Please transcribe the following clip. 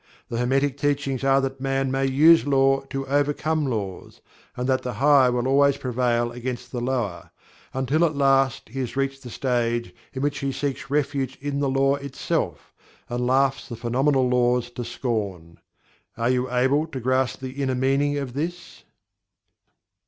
The Hermetic Teachings are that Man may use Law to overcome laws, and that the higher will always prevail against the lower, until at last he has reached the stage in which he seeks refuge in the LAW itself, and laughs the phenomenal laws to scorn. Are you able to grasp the inner meaning of this?